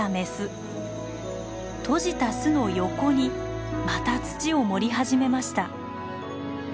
閉じた巣の横にまた土を盛り始めました。